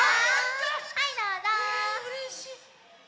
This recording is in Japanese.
はいどうぞ。